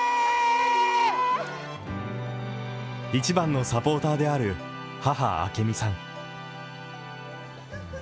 一番のサポーターである母・明美さん。